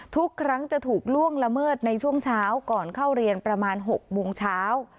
ทุกครั้งจะถูกล่วงละเมิดในช่วงเช้าก่อนเข้าเรียนประมาณ๖โมงเช้า